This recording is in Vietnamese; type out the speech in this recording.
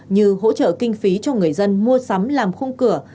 như hỗ trợ kinh phí cho người dân mua sắm làm khung cửa